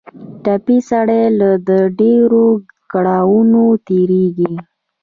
ټپي سړی له ډېرو کړاوونو تېرېږي.